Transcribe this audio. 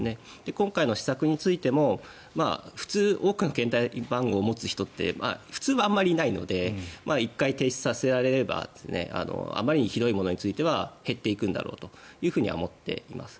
今回の施策についても普通、多くの携帯電話番号を持つ人って普通はあまりいないので１回停止させられればあまりにひどいものについては減っていくんだろうと思っています。